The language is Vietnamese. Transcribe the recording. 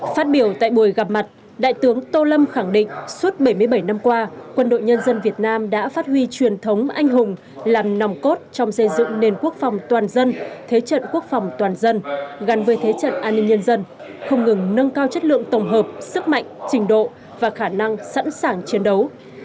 phát biểu tại buổi gặp mặt đại tướng tô lâm khẳng định suốt bảy mươi bảy năm qua quân đội nhân dân việt nam đã phát huy truyền thống anh hùng làm nòng cốt trong xây dựng nền quốc phòng toàn dân thế trận quốc phòng toàn dân gắn với thế trận an ninh nhân dân không ngừng nâng cao chất lượng tổng hợp sức mạnh trình độ và khả năng sẵn sàng chiến đấu